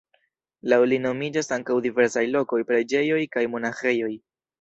Laŭ li nomiĝas ankaŭ diversaj lokoj, preĝejoj kaj monaĥejoj.